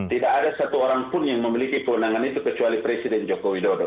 tidak ada satu orang pun yang memiliki kewenangan itu kecuali presiden joko widodo